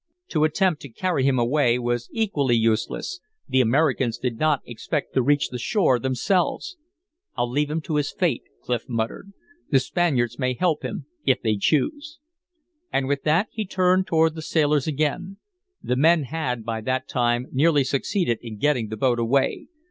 To attempt to carry him away was equally useless; the Americans did not expect to reach the shore themselves. "I'll leave him to his fate," Clif muttered. "The Spaniards may help him if they choose." And with that he turned toward the sailors again; the men had by that time nearly succeeded in getting the boat away.